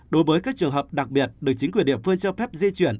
đối với các trường hợp đặc biệt được chính quyền địa phương cho phép di chuyển